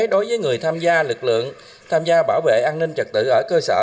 đối với người tham gia lực lượng tham gia bảo vệ an ninh trật tự ở cơ sở